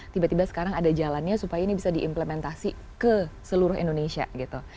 tiba tiba sekarang ada jalannya supaya ini bisa diimplementasi ke seluruh indonesia gitu